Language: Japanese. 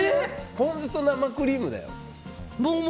ポン酢と生クリームだよ？